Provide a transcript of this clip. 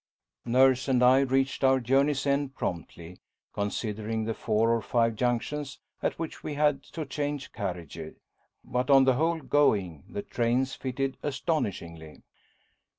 Nurse and I reached our journey's end promptly, considering the four or five junctions at which we had to change carriages. But on the whole "going," the trains fitted astonishingly.